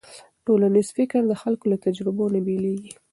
ټولنیز فکر د خلکو له تجربو نه بېلېږي.